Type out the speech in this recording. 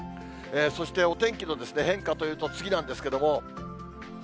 そしてお天気の変化というと、次なんですけれども。